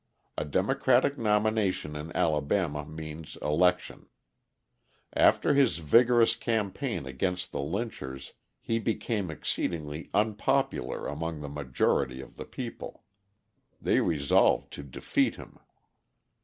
A Democratic nomination in Alabama means election. After his vigorous campaign against the lynchers, he became exceedingly unpopular among the majority of the people. They resolved to defeat him.